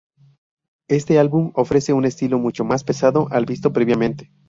Este álbum ofrece un estilo mucho más pesado al visto previamente.